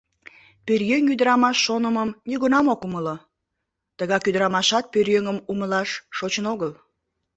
Пӧръеҥ ӱдырамаш шонымым нигунам ок умыло, тыгак ӱдырамашат пӧръеҥым умылаш шочын огыл.